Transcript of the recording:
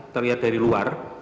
terlihat dari luar